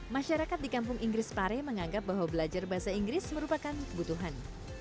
masyarakat di kampung inggris pare menganggap bahwa belajar bahasa inggris merupakan kebutuhan